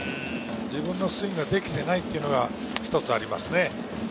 自分のスイングができていないというのが一つありますね。